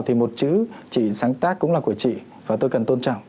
thì một chữ chị sáng tác cũng là của chị và tôi cần tôn trọng